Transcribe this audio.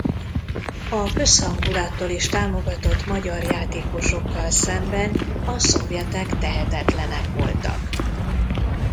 A közhangulattól is támogatott magyar játékosokkal szemben a szovjetek tehetetlenek voltak.